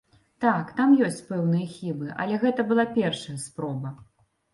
Так, там ёсць пэўныя хібы, але гэта была першая спроба.